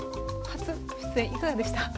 初出演いかがでした？